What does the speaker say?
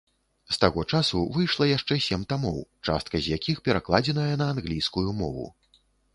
З таго часу выйшла яшчэ сем тамоў, частка з якіх перакладзеная на англійскую мову.